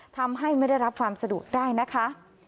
ทำให้ไม่ได้รับความสะดวกได้นะคะ